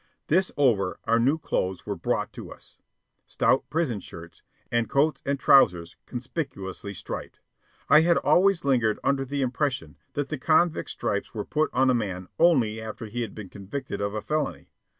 This over, our new clothes were brought to us stout prison shirts, and coats and trousers conspicuously striped. I had always lingered under the impression that the convict stripes were put on a man only after he had been convicted of a felony.